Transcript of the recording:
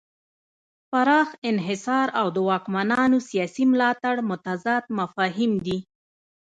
پراخ انحصار او د واکمنانو سیاسي ملاتړ متضاد مفاهیم دي.